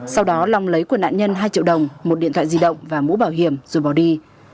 sau đó long lấy của nạn nhân hai triệu đồng một điện thoại di động và mũ bảo hiểm rồi bỏ đi